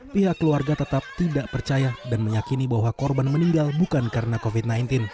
pihak keluarga tetap tidak percaya dan meyakini bahwa korban meninggal bukan karena covid sembilan belas